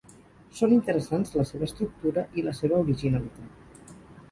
Són interessants la seva estructura i la seva originalitat.